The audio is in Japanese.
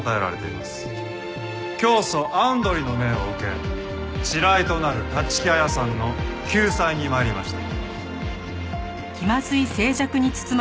教祖アンドリの命を受けチライとなる立木彩さんの救済に参りました。